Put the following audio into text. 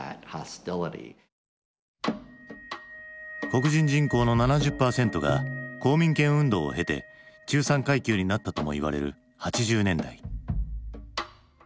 黒人人口の７０％が公民権運動を経て中産階級になったともいわれる８０年代。